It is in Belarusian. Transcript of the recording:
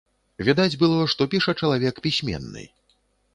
Відаць было, што піша чалавек пісьменны.